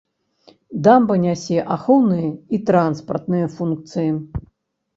Дамба нясе ахоўныя і транспартныя функцыі.